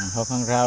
mê thưởng với dạ đó